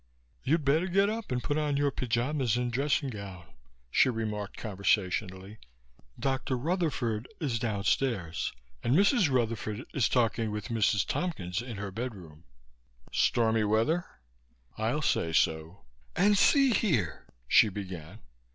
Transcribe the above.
"You'd better get up and put on your pyjamas and dressing gown," she remarked conversationally. "Dr. Rutherford is downstairs and Mrs. Rutherford is talking with Mrs. Tompkins in her bedroom." "Stormy weather?" "I'll say so and see here " she began.